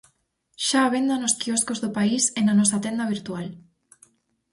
Xa á venda nos quioscos do País e na nosa tenda virtual.